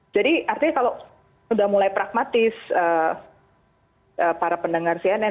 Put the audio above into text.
jadi artinya kalau sudah mulai pragmatis para pendengar cnn